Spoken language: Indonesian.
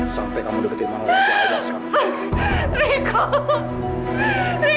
sampai kamu deketin mama aku akan jatuhkan